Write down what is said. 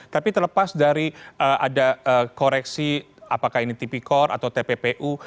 tapi terlepas dari ada koreksi apakah ini tipikor atau tppu